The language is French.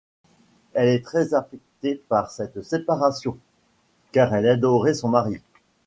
Elle est très affectée par cette séparation, car elle adorait son mari.